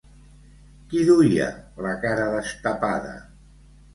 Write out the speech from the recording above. Qui duia la cara destapada?